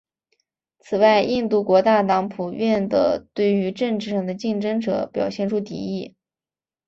此外印度国大党普遍地对于政治上的竞争者表现出敌意。